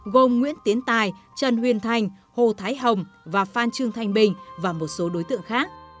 gồm nguyễn tiến tài trần huyền thành hồ thái hồng và phan trương thanh bình và một số đối tượng khác